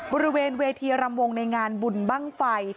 บริเวณเวทีรำวงในงานบุญบ้างไฟ